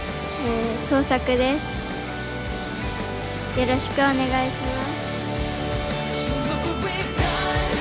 よろしくお願いします。